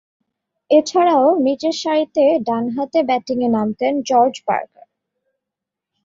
এছাড়াও, নিচেরসারিতে ডানহাতে ব্যাটিংয়ে নামতেন জর্জ পার্কার।